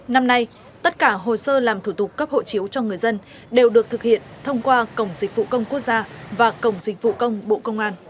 năm nay tất cả hồ sơ làm thủ tục cấp hộ chiếu cho người dân đều được thực hiện thông qua cổng dịch vụ công quốc gia và cổng dịch vụ công bộ công an